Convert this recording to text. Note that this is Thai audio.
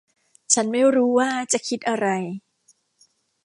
ฉันไม่รู้ว่าจะคิดอะไร